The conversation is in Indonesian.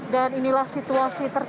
dan inilah situasi tersebut